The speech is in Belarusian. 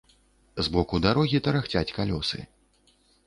З боку дарогі тарахцяць калёсы.